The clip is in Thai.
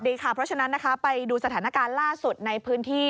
ดีค่ะเพราะฉะนั้นนะคะไปดูสถานการณ์ล่าสุดในพื้นที่